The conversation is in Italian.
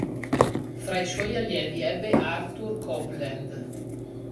Fra i suoi allievi ebbe Arthur Copeland.